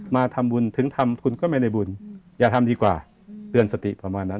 มาทำบุญถึงทำคุณก็ไม่ได้บุญอย่าทำดีกว่าเตือนสติประมาณนั้น